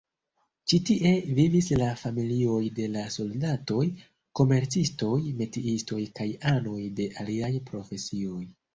Ĉi- tie vivis la familioj de la soldatoj, komercistoj, metiistoj kaj anoj de aliaj profesioj.